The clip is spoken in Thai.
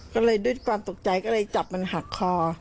ก็เลยด้วยความตกใจก็เลยจับมันหักคอ